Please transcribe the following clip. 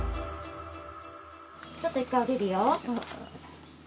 ちょっと一回下りるよ。